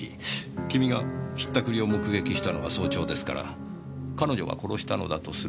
君が引ったくりを目撃したのは早朝ですから彼女が殺したのだとすると。